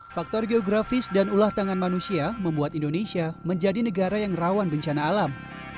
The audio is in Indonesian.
faktor geografis dan ulah tangan manusia membuat indonesia menjadi negara yang rawan bencana alam